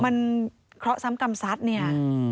เพราะซ้ำกรรมสัตว์เนี่ย